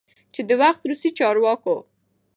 چې د وخت روسی چارواکو،